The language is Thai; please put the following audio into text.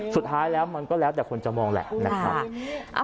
สุดท้ายแล้วมันก็แล้วแต่คนจะมองแหละนะครับ